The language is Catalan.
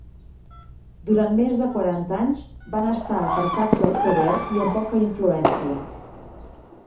Durant més de quaranta anys van estar apartats del poder i amb poca influència.